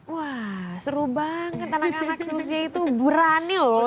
wah seru banget anak anak khususnya itu berani loh